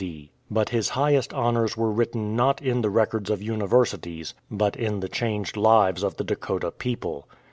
D. But his highest honours were written not in the records of Universities, but in the changed lives of the Dakota people.